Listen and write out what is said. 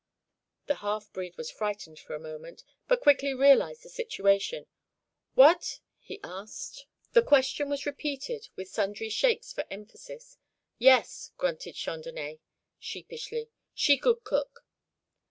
The half breed was frightened for a moment, but quickly realised the situation. "What?" he asked. The question was repeated, with sundry shakes for emphasis. "Yes," grunted Chandonnais, sheepishly, "she good cook."